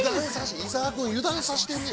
◆伊沢君を油断させてるんや。